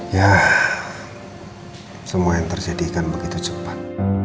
ya semua yang terjadikan begitu cepat